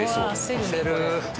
焦る。